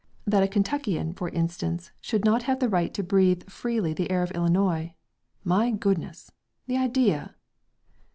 That a Kentuckian, for instance, should not have the right to breathe freely the air of Illinois.... My goodness.... The idea!"